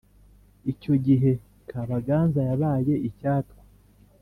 icyo gihe kabaganza yabaye icyatwa